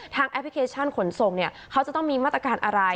แอปพลิเคชันขนส่งเนี่ยเขาจะต้องมีมาตรการอะไร